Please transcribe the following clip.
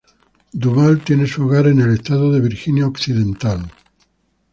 Duvall tiene su hogar en el estado de Virginia Occidental.